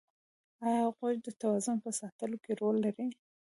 ایا غوږ د توازن په ساتلو کې رول لري؟